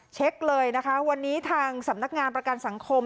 เช็คเลยนะคะวันนี้ทางสำนักงานประกันสังคม